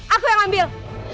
aku yang ambil